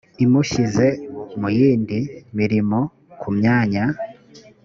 imushyize mu yindi mirimo ku myanya